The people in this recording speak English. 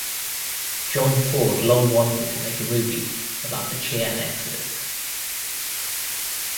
John Ford long wanted to make a movie about the Cheyenne exodus.